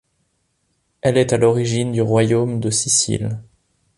Elle est à l’origine du royaume de Sicile.